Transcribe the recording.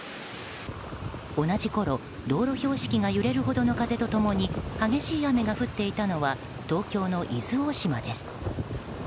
同じころ道路標識が揺れるほどの風と共に激しい雨が降っていたのは東京の伊豆大島です。